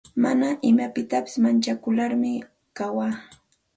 Mana imapitasi manchakularmi kawaa.